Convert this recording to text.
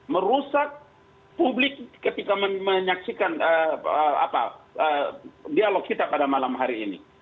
merusak publik ketika menyaksikan dialog kita pada malam hari ini